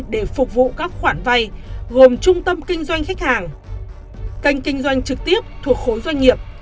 để phục vụ các khoản vay gồm trung tâm kinh doanh khách hàng kênh kinh doanh trực tiếp thuộc khối doanh nghiệp